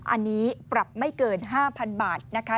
อันนี้ปรับไม่เกิน๕๐๐๐บาทนะคะ